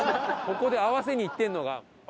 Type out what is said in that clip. ここで合わせにいってんのが。